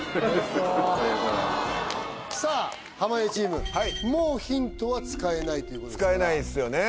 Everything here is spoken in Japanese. さあ濱家チームもうヒントは使えないということですから使えないですよね